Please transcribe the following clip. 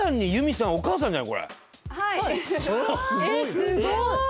すごい！